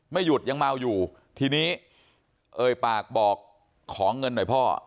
หยุดยังเมาอยู่ทีนี้เอ่ยปากบอกขอเงินหน่อยพ่อ